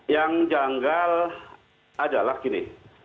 yang janggal adalah gini